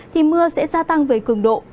thì mưa sẽ gia tăng về cường độ